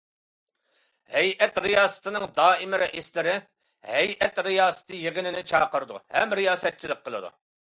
ھەيئەت رىياسىتىنىڭ دائىمىي رەئىسلىرى ھەيئەت رىياسىتى يىغىنىنى چاقىرىدۇ ھەم رىياسەتچىلىك قىلىدۇ.